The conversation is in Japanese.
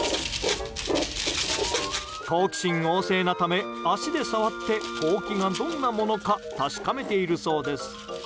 好奇心旺盛なため、脚で触ってほうきがどんなものか確かめているそうです。